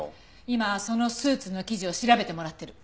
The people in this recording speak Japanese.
今そのスーツの生地を調べてもらってる。